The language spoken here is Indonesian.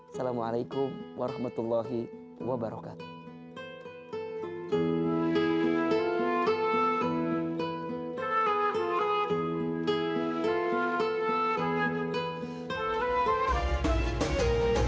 assalamualaikum warahmatullahi wabarakatuh